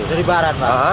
dari barat pak